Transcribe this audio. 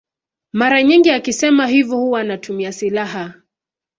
Mara nyingi akisema hivyo huwa anatumia silaha.